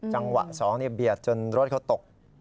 จังหวะ๒เบียดจนรถเขาตก